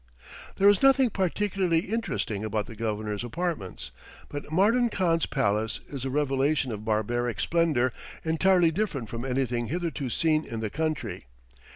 There is nothing particularly interesting about the Governor's apartments, but Mardan Khan's palace is a revelation of barbaric splendor entirely different from anything hitherto seen in the country.